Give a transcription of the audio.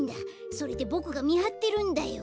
それでボクがみはってるんだよ。